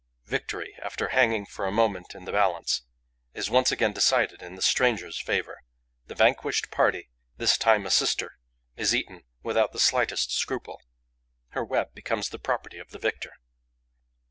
Victory, after hanging for a moment in the balance, is once again decided in the stranger's favour. The vanquished party, this time a sister, is eaten without the slightest scruple. Her web becomes the property of the victor.